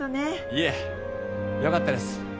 いえ良かったです。